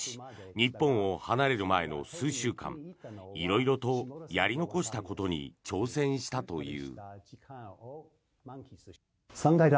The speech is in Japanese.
日本を離れる前の数週間色々と、やり残したことに挑戦したという。